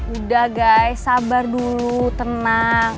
udah gai sabar dulu tenang